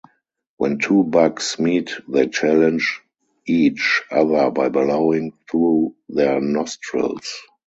When two bucks meet they challenge each other by blowing through their nostrils.